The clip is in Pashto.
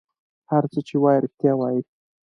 هر څه چې وایي رېښتیا وایي.